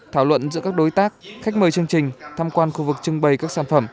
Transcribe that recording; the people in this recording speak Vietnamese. thảo luận giữa các đối tác khách mời chương trình tham quan khu vực trưng bày các sản phẩm